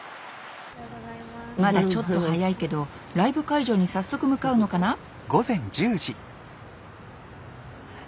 まだちょっと早いけどライブ会場に早速向かうのかな？